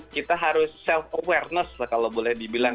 kita harus self awareness lah kalau boleh dibilang